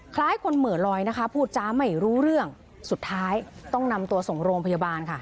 คล้ายคนเหมือลอยนะคะพูดจ้าไม่รู้เรื่องสุดท้ายต้องนำตัวส่งโรงพยาบาลค่ะ